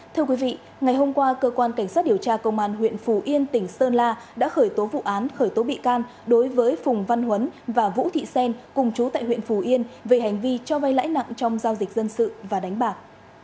thưa quý vị ngày hôm qua cơ quan cảnh sát điều tra công an huyện phù yên tỉnh sơn la đã khởi tố vụ án khởi tố bị can đối với phùng văn huấn và vũ thị sen cùng chú tại huyện phù yên về hành vi cho vay lãi nặng trong giao dịch dân sự và đánh bạc